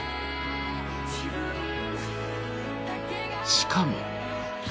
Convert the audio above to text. しかも。